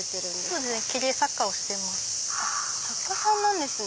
そうですね。